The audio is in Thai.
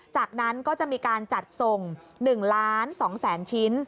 จากนั้นก็จะมีการจัดส่ง๑ล้าน๒แสนชิ้น